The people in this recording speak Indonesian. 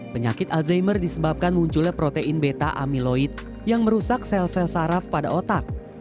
penyakit alzheimer disebabkan munculnya protein beta amiloid yang merusak sel sel saraf pada otak